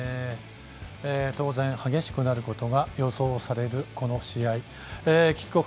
当然激しくなることが予想される